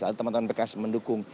lalu teman teman bekas mendukung